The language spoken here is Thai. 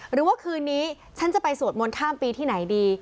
หรือว่าคืนนี้ฉันจะไปสวดมนต์ข้ามปีที่ไหนดี